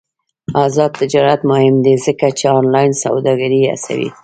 آزاد تجارت مهم دی ځکه چې آنلاین سوداګري هڅوي.